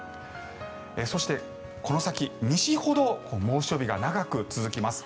そして、この先西ほど猛暑日が長く続きます。